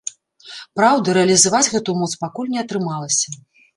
Праўда, рэалізаваць гэту моц пакуль не атрымалася.